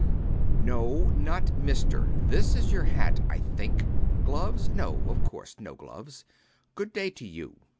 No, not Mister. This is your hat, I think [giving it to him]. Gloves? No, of course: no gloves. Good day to you.